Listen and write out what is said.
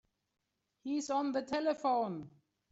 He's on the telephone.